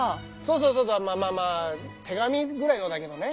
そうそうそうまあまあ手紙ぐらいのだけどね。